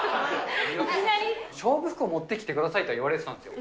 勝負服を持ってきてくださいとは言われてたんですよ。